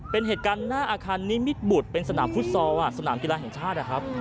เป็นเหตุการณ์หน้าอาคารนิมิตบุตรเป็นสนามฟุตซอลสนามกีฬาแห่งชาตินะครับ